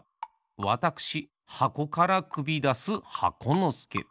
わたくしはこからくびだす箱のすけ。